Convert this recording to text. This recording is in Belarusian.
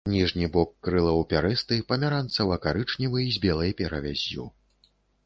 Ніжні бок крылаў пярэсты, памяранцава-карычневы з белай перавяззю.